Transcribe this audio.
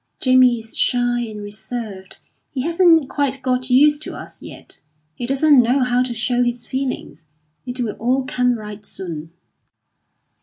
Jamie is shy and reserved; he hasn't quite got used to us yet. He doesn't know how to show his feelings. It will all come right soon."